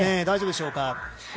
大丈夫でしょうか。